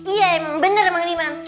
iya emang bener mang diman